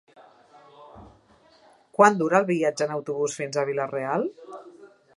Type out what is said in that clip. Quant dura el viatge en autobús fins a Vila-real?